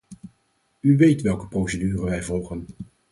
U weet welke procedure wij volgen.